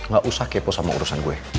gak usah kepo sama urusan gue